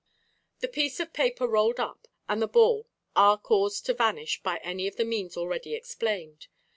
The piece of paper rolled up, and the ball, are caused to vanish by any of the means already explained.